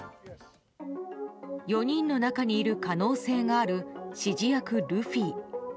４人の中にいる可能性がある指示役ルフィ。